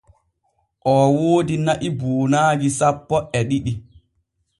Oo woodi na’i buunaaji sappo e ɗiɗi.